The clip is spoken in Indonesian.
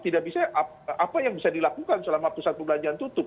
tidak bisa apa yang bisa dilakukan selama pusat perbelanjaan tutup